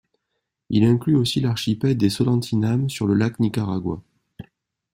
Il inclut aussi l'archipel des Solentiname sur le lac Nicaragua.